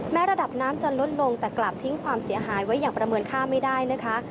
ระดับน้ำจะลดลงแต่กลับทิ้งความเสียหายไว้อย่างประเมินค่าไม่ได้นะคะ